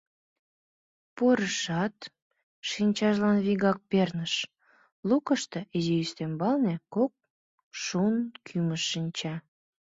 Пурышат, шинчажлан вигак перныш: лукышто, изи ӱстембалне, кок шун кӱмыж шинча.